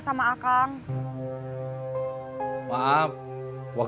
jangan marah jangan marah